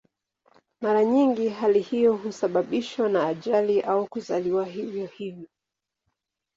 Mara nyingi hali hiyo husababishwa na ajali au kuzaliwa hivyo hivyo.